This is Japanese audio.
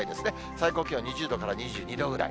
最高気温２０度から２２度ぐらい。